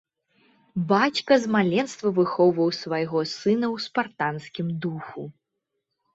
Бацька з маленства выхоўваў свайго сына ў спартанскім духу.